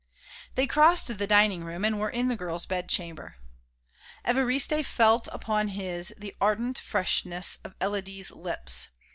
They crossed the dining room and were in the girl's bedchamber. Évariste felt upon his the ardent freshness of Élodie's lips.